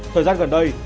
thời gian gần đây